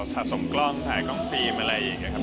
สะสมกล้องถ่ายกล้องฟิล์มอะไรอย่างนี้ครับ